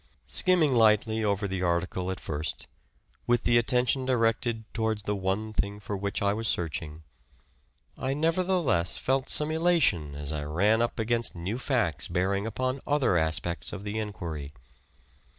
Skimming lightly over the article at first, with the attention directed towards the one thing for which I was searching, I nevertheless felt some elation as I ran up against new facts bearing upon other aspects of the enquiry.